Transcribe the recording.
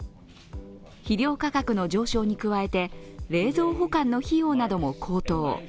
肥料価格の上昇に加えて、冷蔵保管の費用なども高騰。